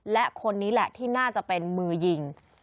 และคนนี้แหละที่น่าจะเป็นมือยิง